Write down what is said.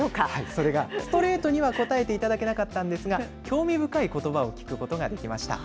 それがストレートには答えていただけなかったんですけれども、興味深いことばを聞くことができました。